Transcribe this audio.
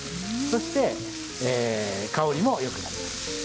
そして香りも良くなります。